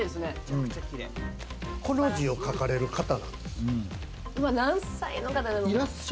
この字を書かれる方なんですよ。